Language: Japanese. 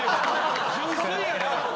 純粋やな！